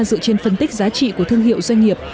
dựa trên phân tích giá trị của thương hiệu doanh nghiệp